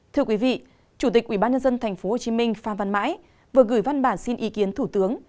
thưa quý vị chủ tịch ubnd tp hcm phan văn mãi vừa gửi văn bản xin ý kiến thủ tướng